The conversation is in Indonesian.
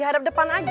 ya harap depan aja